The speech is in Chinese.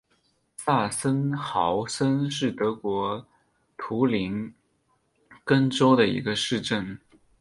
萨森豪森是德国图林根州的一个市镇。